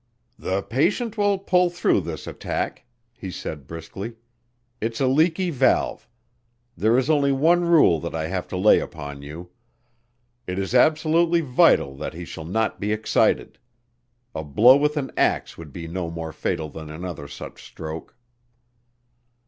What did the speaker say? "The patient will pull through this attack," he said briskly. "It's a leaky valve. There is only one rule that I have to lay upon you. It is absolutely vital that he shall not be excited. A blow with an ax would be no more fatal than another such stroke."